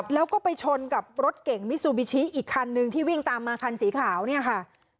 แล้วก็ไปชนกับรถเก่งมิซูบิชิอีกคันนึงที่วิ่งตามมาคันสีขาวเนี่ยค่ะ